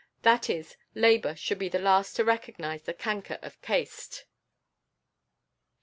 That is, labor should be the last to recognize the canker of caste.